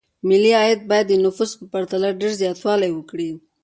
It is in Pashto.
ملي عاید باید د نفوسو په پرتله ډېر زیاتوالی وکړي.